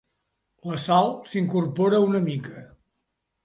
La Sal s'incorpora una mica.